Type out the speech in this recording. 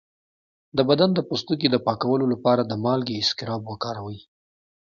د بدن د پوستکي د پاکولو لپاره د مالګې اسکراب وکاروئ